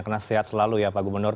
karena sehat selalu ya pak gubernur